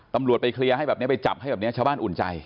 ตำรวจไปเคลียร์ให้แบบนี้ไปจับให้แบบนี้ชาวบ้านอุ่นใจ